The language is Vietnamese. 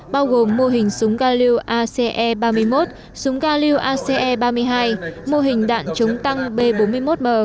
bao gồm mô hình súng galil ace ba mươi một súng galil ace ba mươi hai mô hình đạn chống tăng b bốn mươi một m